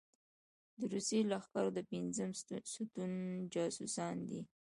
د روسي لښکرو د پېنځم ستون جاسوسان دي.